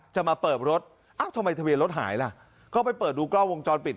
จะมาเปิดรถเอ้าทำไมทะเบียนรถหายล่ะก็ไปเปิดดูกล้องวงจรปิด